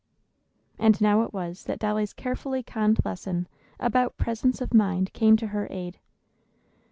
And now it was that Dolly's carefully conned lesson about presence of mind came to her aid.